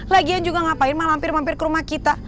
lagian juga ngapain mak lampir mampir ke rumah kita